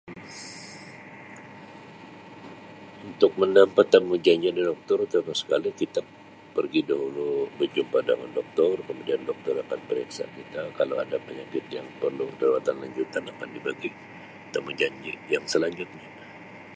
Untuk mendapat temu janji di Doktor terutama sekali kita pergi dahulu berjumpa dengan Doktor kemudian Doktor akan periksa kita kalau ada penyakit yang [unintelligible] rawatan lanjutan akan dibagi tamujanji yang selanjutnya.